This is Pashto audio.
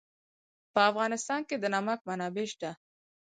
په افغانستان کې د نمک منابع شته.